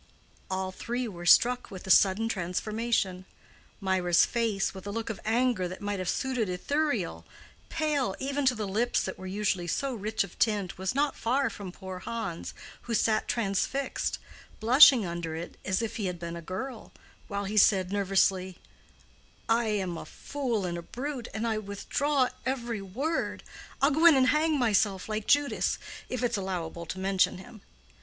All three were struck with the sudden transformation. Mirah's face, with a look of anger that might have suited Ithuriel, pale, even to the lips that were usually so rich of tint, was not far from poor Hans, who sat transfixed, blushing under it as if he had been a girl, while he said, nervously, "I am a fool and a brute, and I withdraw every word. I'll go and hang myself like Judas—if it's allowable to mention him."